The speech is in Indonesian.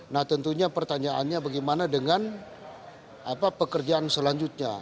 nah tentunya pertanyaannya bagaimana dengan pekerjaan selanjutnya